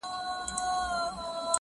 چي هر ځای به یو قاتل وو دی یې یار وو-